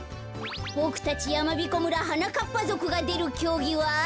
ボクたちやまびこ村はなかっぱぞくがでるきょうぎは。